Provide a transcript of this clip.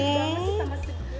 gak masih sama sedut